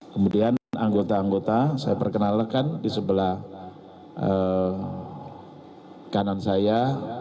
kemudian anggota anggota saya perkenalkan di sebelah kanan saya